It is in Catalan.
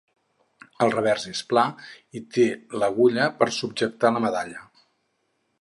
El revers és pla, i té l'agulla per subjectar la medalla.